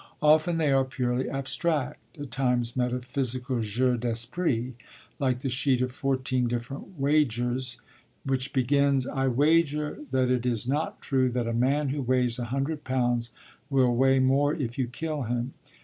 Often, they are purely abstract; at times, metaphysical jeux d'esprit, like the sheet of fourteen 'Different Wagers,' which begins: I wager that it is not true that a man who weighs a hundred pounds will weigh more if you kill him.